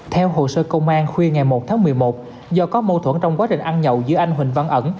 theo hồ sơ công an khuya ngày một tháng một mươi một do có mâu thuẫn trong quá trình ăn nhậu giữa anh huỳnh văn ẩn